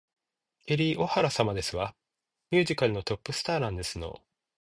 ケリー・オハラ様ですわ。ミュージカルのトップスターなんですの